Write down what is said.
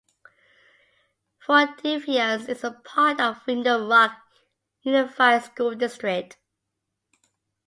Fort Defiance is a part of Window Rock Unified School District.